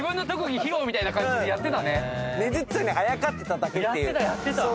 ねづっちさんにあやかってただけっていう。